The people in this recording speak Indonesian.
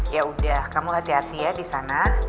yaudah kamu hati hati ya di sana